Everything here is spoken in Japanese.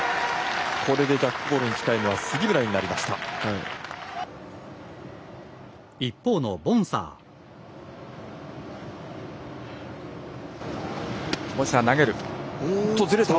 これでジャックボールに近いのは杉村になりました。